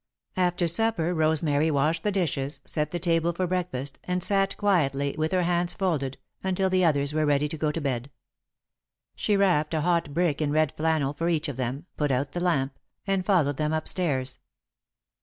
After supper, Rosemary washed the dishes, set the table for breakfast, and sat quietly, with her hands folded, until the others were ready to go to bed. She wrapped a hot brick in red flannel for each of them, put out the lamp, and followed them up stairs.